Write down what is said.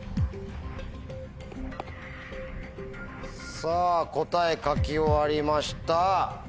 さぁ答え書き終わりました。